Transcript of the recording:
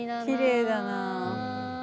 きれいだな。